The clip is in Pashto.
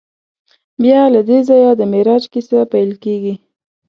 بیا له دې ځایه د معراج کیسه پیل کېږي.